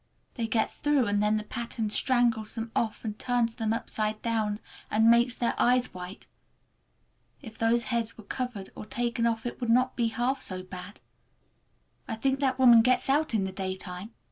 They get through, and then the pattern strangles them off and turns them upside down, and makes their eyes white! If those heads were covered or taken off it would not be half so bad. I think that woman gets out in the daytime!